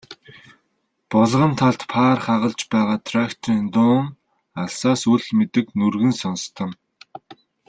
Булган талд паар хагалж байгаа тракторын дуун алсаас үл мэдэг нүргэн сонстоно.